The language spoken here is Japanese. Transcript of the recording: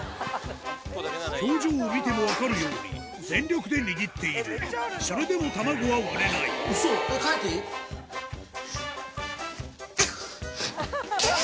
表情を見ても分かるように全力で握っているそれでも卵は割れないクゥっ！